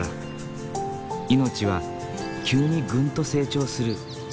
命は急にグンと成長する。